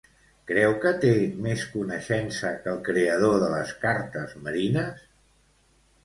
Creu que té més coneixença que el creador de les cartes marines?